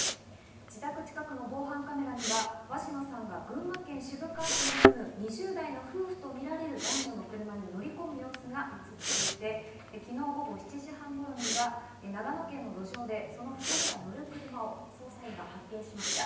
自宅近くの防犯カメラには鷲野さんが群馬県渋川市に住む２０代の夫婦とみられる男女の車に乗り込む様子が映っていて、昨日午後７時半頃には長野県の路上で、その２人が乗る車を捜査員が発見しました。